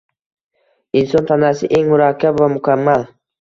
Inson tanasi eng murakkab va mukammal